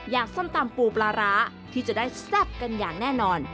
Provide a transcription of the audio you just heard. ส้มตำปูปลาร้าที่จะได้แซ่บกันอย่างแน่นอน